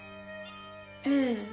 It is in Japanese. ええ。